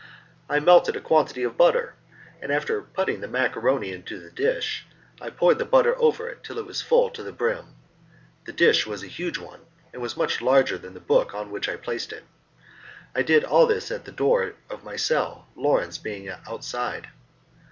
I melted a quantity of butter, and after putting the macaroni into the dish I poured the butter over it till it was full to the brim. The dish was a huge one, and was much larger than the book on which I placed it. I did all this at the door of my cell, Lawrence being outside.